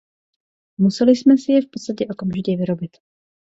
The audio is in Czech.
Museli jsme si je v podstatě okamžitě vyrobit.